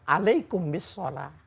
alaikum bis sholat